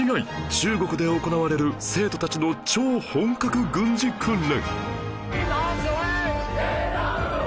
中国で行われる生徒たちの超本格軍事訓練